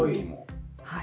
はい。